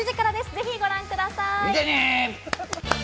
ぜひ、ご覧ください。